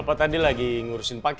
wah apa itu enggak